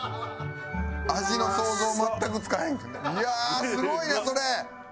味の想像全くつかへんいやすごいねそれ！